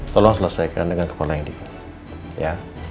tolong selesaikan dengan kepala yang dekat